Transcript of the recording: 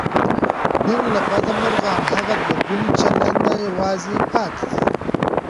نن له بده مرغه، هماغه دوهګونی چلند نه یوازې پاتې دی